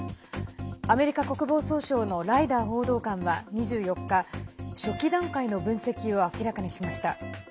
アメリカ国防総省のライダー報道官は２４日初期段階の分析を明らかにしました。